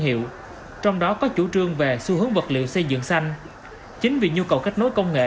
hiệu trong đó có chủ trương về xu hướng vật liệu xây dựng xanh chính vì nhu cầu kết nối công nghệ